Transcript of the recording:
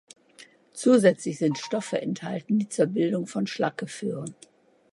Zusätzlich sind Stoffe enthalten, die zur Bildung von Schlacke führen.